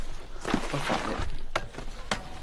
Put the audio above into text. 不發一言